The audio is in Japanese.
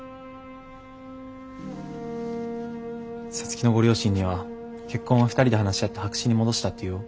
皐月のご両親には結婚は２人で話し合って白紙に戻したって言おう。